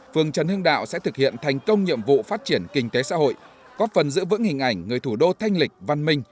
phường trần hương đạo sẽ thực hiện thành công nhiệm vụ phát triển kinh tế xã hội góp phần giữ vững hình ảnh người thủ đô thanh lịch văn minh